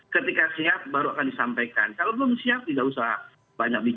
ketika siap baru akan disampaikan kalau belum siap tidak usah banyak bicara lah itu sering dikatakan oleh pak anies